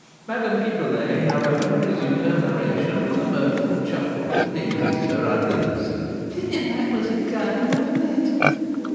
Madame Pipelet, however, resumed her narration with a mirthful chuckle that increased her ugliness: "That was a go, wasn't it?